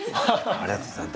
ありがとうございます。